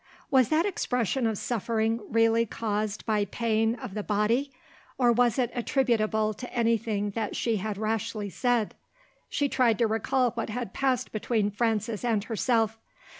Was that expression of suffering really caused by pain of the body? or was it attributable to anything that she had rashly said? She tried to recall what had passed between Frances and herself.